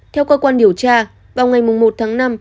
theo cơ quan điều tra vào ngày một tháng năm